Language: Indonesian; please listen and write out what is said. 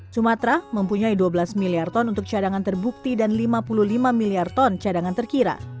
sumatera mempunyai dua belas miliar ton untuk cadangan terbukti dan lima puluh lima miliar ton cadangan terkira